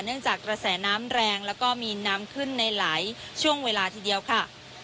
เนื่องจากระแสน้ำแรงและมีน้ำขึ้นในไหล้ช่วงเวลาทีเดียวค่ะ